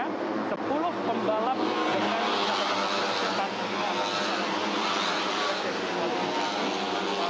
sepuluh pembalap dengan catatan waktu tercepat di sesi kualifikasi pertama